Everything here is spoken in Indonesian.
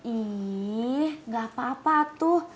ih enggak apa apa atuh